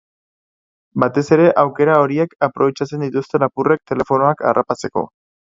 Batez ere aukera horiek aprobetxatzen dituzte lapurrek telefonoak harrapatzeko.